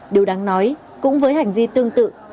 điều đáng nói cũng với hành vi tương tự